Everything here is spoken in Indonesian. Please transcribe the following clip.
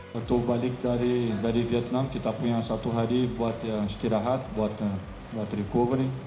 waktu balik dari vietnam kita punya satu hari buat istirahat buat recovery